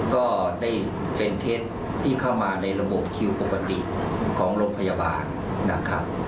ก็ได้เป็นเท็จที่เข้ามาในระบบคิวปกติของโรงพยาบาลนะครับ